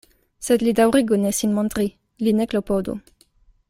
Sed li daŭrigu ne sin montri, li ne klopodu.